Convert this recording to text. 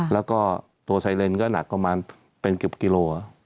แล้วก็ตัวไซเรนก็หนักประมาณผอยกี้โล